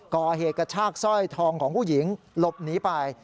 ก่อเหตุกระชากสร้อยทองของผู้หญิงหลบหนีไป